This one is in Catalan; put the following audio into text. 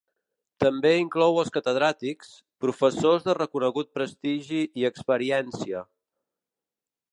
També inclou els catedràtics, professors de reconegut prestigi i experiència.